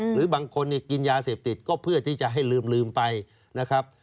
หรือบางคนกินยาเสพติดก็เพื่อที่จะให้ลืมไปนะครับ